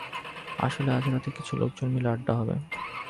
আসলে, আজ রাতে কিছু লোকজন মিলে আড্ডা হবে।